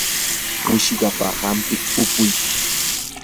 wishqapa hampita upuy.